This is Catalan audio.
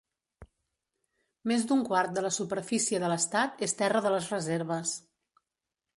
Més d'un quart de la superfície de l'estat és terra de les reserves.